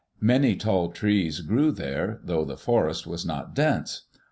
Many tall trees grew there, though the forest was not dense.